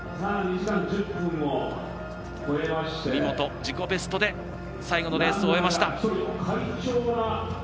文元、自己ベストで最後のレースを終えました。